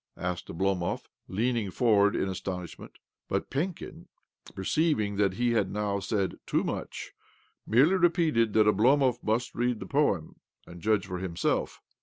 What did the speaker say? asked Oblomov, leaning forward in astonishment ; but Penkin, perceiving that he had now said too much, merely repeated that Oblomov must read the poem, and judge for himself.